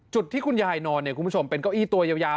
ที่คุณยายนอนเนี่ยคุณผู้ชมเป็นเก้าอี้ตัวยาว